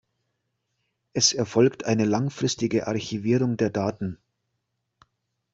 Es erfolgt eine langfristige Archivierung der Daten.